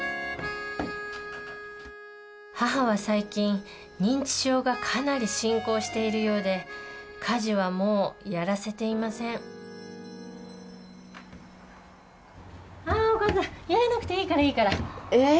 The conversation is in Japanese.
母は最近認知症がかなり進行しているようで家事はもうやらせていませんあお母さんやらなくていいからいいから。え。